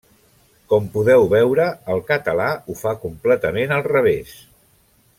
Com podeu veure, el català ho fa completament al revés.